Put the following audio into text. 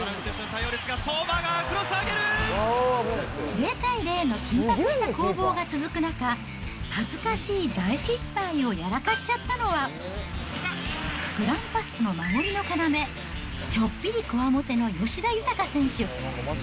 ０対０の緊迫した攻防が続く中、恥ずかしい大失敗をやらかしちゃったのは、グランパスの守りの要、ちょっぴりこわもての吉田豊選手。